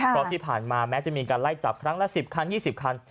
เพราะที่ผ่านมาแม้จะมีการไล่จับครั้งละ๑๐คัน๒๐คัน